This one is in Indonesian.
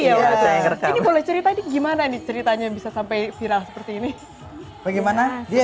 iya udah ini boleh cerita ini gimana nih ceritanya bisa sampai viral seperti ini bagaimana dia